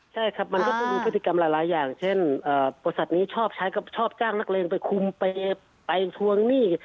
ใช่ครับมันก็มีพฤติกรรมหลายหลายอย่างเช่นอ่าประสาทนี้ชอบใช้ก็ชอบจ้างนักเรงไปคุมไปไปทวงหนี้